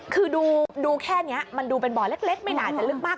คือดูแค่นี้มันดูเป็นบ่อเล็กไม่น่าจะลึกมาก